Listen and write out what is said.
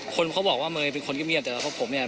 คนเขาบอกว่าเมย์เป็นคนเยี่ยมแต่กับผมเนี่ย